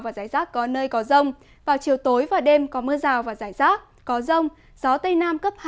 và rải rác có nơi có rông vào chiều tối và đêm có mưa rào và rải rác có rông gió tây nam cấp hai